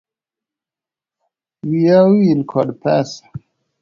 Wiya owil kod pesa.